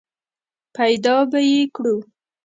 پیدا به یې کړو !